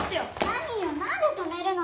何よ何で止めるのよ？